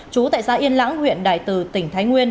chú tại xã yên lãng huyện đại từ tỉnh thái nguyên